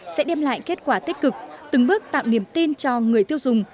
sẽ đem lại kết quả tích cực từng bước tạo niềm tin cho người tiêu dùng